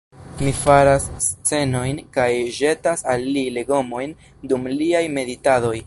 Mi faras scenojn kaj ĵetas al li legomojn dum liaj meditadoj.